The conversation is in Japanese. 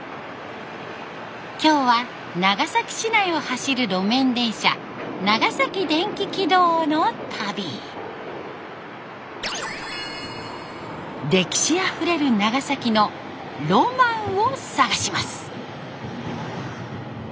今日は長崎市内を走る路面電車歴史あふれる長崎のロマンを探します。